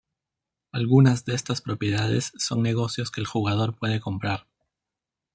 Algunas de estas propiedades, son negocios que el jugador puede comprar.